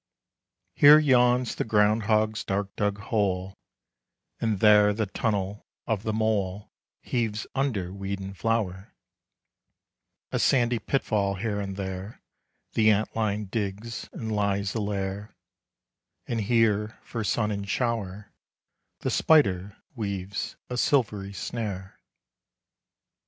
Here yawns the ground hog's dark dug hole; And there the tunnel of the mole Heaves under weed and flower; A sandy pit fall here and there The ant lion digs and lies a lair; And here, for sun and shower, The spider weaves a silvery snare.